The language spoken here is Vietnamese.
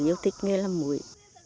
nhớ thích nghề làm muối